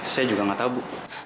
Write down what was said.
saya juga gak tau bu